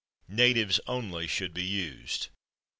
Natives only should be used.